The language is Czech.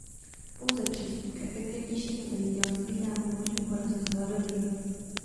Pouze přístup k efektivnějšímu zemědělství nám umožní porazit hladovění.